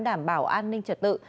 đảm bảo an ninh trật tự